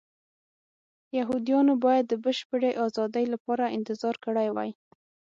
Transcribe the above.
یهودیانو باید د بشپړې ازادۍ لپاره انتظار کړی وای.